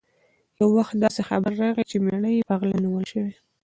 یو وخت داسې خبر راغی چې مېړه یې په غلا نیول شوی.